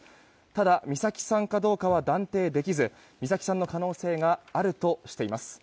ただ、美咲さんかどうかは断定できず美咲さんの可能性があるとしています。